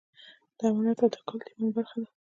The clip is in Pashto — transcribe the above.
د امانت ادا کول د ایمان برخه ده.